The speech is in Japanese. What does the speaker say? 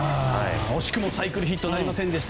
惜しくもサイクルヒットなりませんでした。